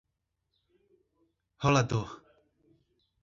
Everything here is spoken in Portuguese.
Rolador